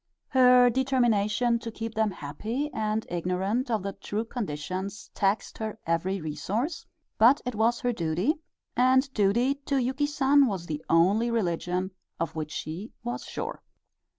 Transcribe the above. Her determination to keep them happy and ignorant of the true conditions taxed her every resource, but it was her duty, and duty to Yuki San was the only religion of which she was sure.